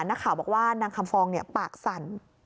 นักข่าวบอกว่านางคำฟองปากสั่น